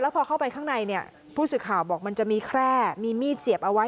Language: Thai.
พอเข้าไปข้างในเนี่ยผู้สื่อข่าวบอกมันจะมีแคร่มีมีดเสียบเอาไว้